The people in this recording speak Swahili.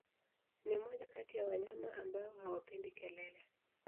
Ni moja kati ya wanyama ambao hawapendi kelele